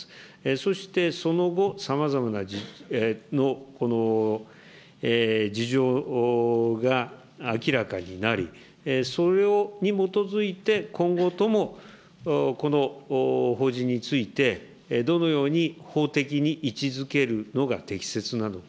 そして、その後、さまざまの事情が明らかになり、それに基づいて今後ともこの法人について、どのように法的に位置づけるのが適切なのか。